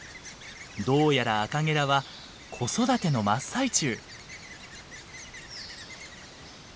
どうやらアカゲラは子育ての真っ最中。